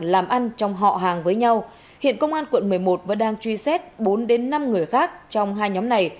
làm ăn trong họ hàng với nhau hiện công an quận một mươi một vẫn đang truy xét bốn đến năm người khác trong hai nhóm này